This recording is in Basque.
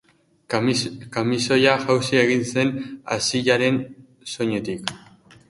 Kamisoia jausi egin zen Asiyaren soinetik.